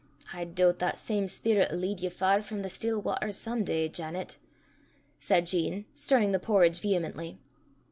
"I doobt that same speerit 'll lead ye far frae the still watters some day, Janet," said Jean, stirring the porridge vehemently.